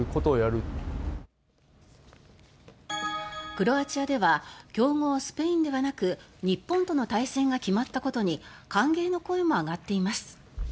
クロアチアでは強豪スペインではなく日本との対戦が決まったことに歓迎の声も上がっています。